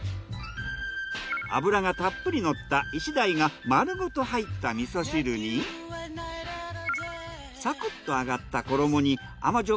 脂がたっぷりのったイシダイが丸ごと入った味噌汁にサクッと揚がった衣に甘じょ